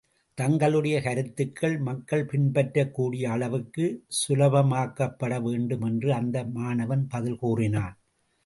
தங்களுடைய கருத்துக்கள் மக்கள் பின்பற்றக் கூடிய அளவுக்குச் சுலபமாக்கப்பட வேண்டும் என்று அந்த மாணவன் பதில் கூறினான்.